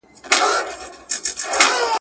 هغه غوښتل پخوانۍ نظريې رد کړي.